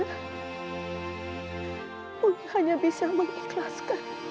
aku hanya bisa mengikhlaskan